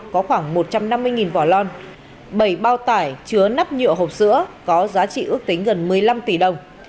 có khoảng một trăm năm mươi vỏ lon bảy bao tải chứa nắp nhựa hộp sữa có giá trị ước tính gần một mươi năm tỷ đồng